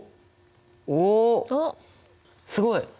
すごい！